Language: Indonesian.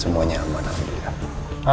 semuanya aman alhamdulillah